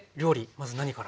まず何から。